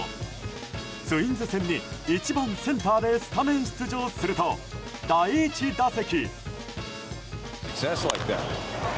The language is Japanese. ツインズ戦に１番センターでスタメン出場すると第１打席。